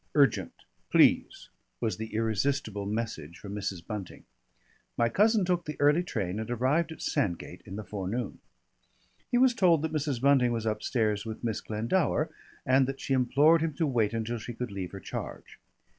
Urgent. Please_," was the irresistible message from Mrs. Bunting. My cousin took the early train and arrived at Sandgate in the forenoon. He was told that Mrs. Bunting was upstairs with Miss Glendower and that she implored him to wait until she could leave her charge.